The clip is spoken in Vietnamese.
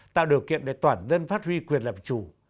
tạo điều kiện để toàn dân phát huy quyền làm chủ